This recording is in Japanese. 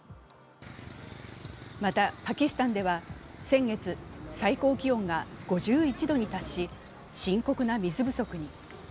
またパキスタンでは先月、最高気温が５１度に達し深刻な水不足に。